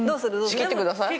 仕切ってください。